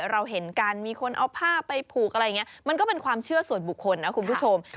เราเห็นการมีคนเอาผ้าไปผูกมันก็เป็นความเชื่อส่วนบุคคลนะคุณผู้ชม